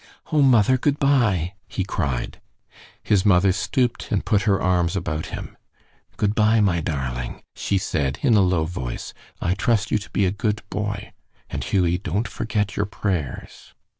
"Oh, mother, good by!" he cried. His mother stooped and put her arms about him. "Good by, my darling," she said, in a low voice; "I trust you to be a good boy, and, Hughie, don't forget your prayers."